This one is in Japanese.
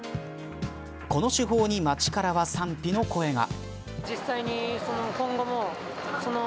この手法に街からは賛否の声が。